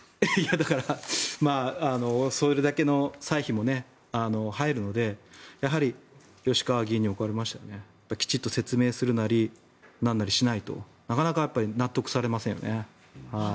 だからそれだけの歳費も入るのでやはり吉川議員に置かれましてはきちんと説明するなりなんなりしないとなかなかやっぱり納得されませんよね。